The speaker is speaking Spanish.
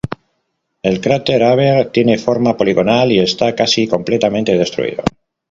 El cráter Haber tiene forma poligonal y está casi completamente destruido.